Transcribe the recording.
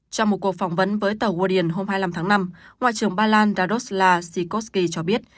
trong một cuộc phỏng vấn với tàu guardian hôm hai mươi năm tháng năm ngoại trưởng bài lan radoslav sikorsky cho biết